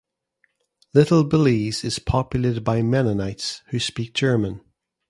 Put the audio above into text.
Little Belize is populated by Mennonites, who speak German.